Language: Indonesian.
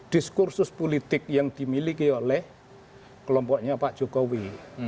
diskursus politik yang dimiliki oleh kelompoknya pak jokowi